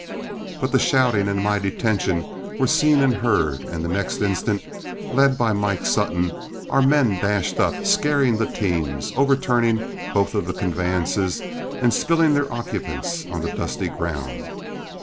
But the shouting and my detention were seen and heard, and the next instant, led by Mike Sutton, our men dashed up, scaring the teams, overturning both of the conveyances, and spilling their occupants on the dusty ground.